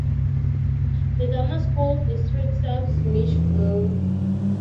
The Dumas School District serves Mitchellville.